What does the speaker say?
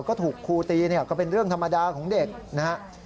ก็ถูกครูตีเนี่ยก็เป็นเรื่องธรรมดาของเด็กนะครับ